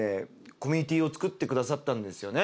コミュニティーを作ってくださったんですよね